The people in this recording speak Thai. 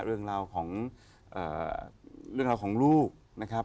เรื่องราวของเรื่องราวของลูกนะครับ